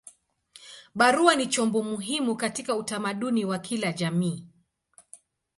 Barua ni chombo muhimu katika utamaduni wa kila jamii.